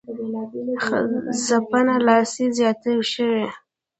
ځپنه لاپسې زیاته شوې